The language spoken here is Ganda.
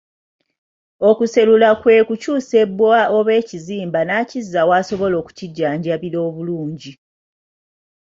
Okuserula kwe kukyusa ebbwa oba ekizimba n’akizza w’asobola okukijjanjabira obulungi.